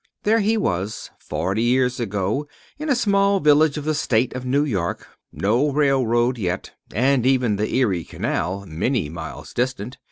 There he was, forty years ago, in a small village of the State of New York; no railroad yet, and even the Erie Canal many miles distant.